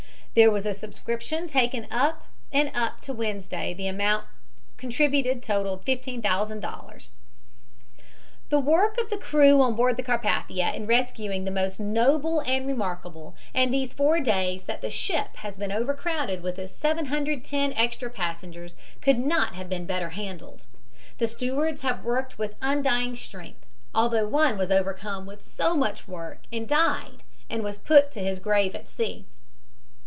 There was a subscription taken up and up to Wednesday the amount contributed totaled $15,000. "The work of the crew on board the Carpathia in rescuing was most noble and remarkable, and these four days that the ship has been overcrowded with its 710 extra passengers could not have been better handled. The stewards have worked with undying strength although one was overcome with so much work and died and was put to his grave at sea.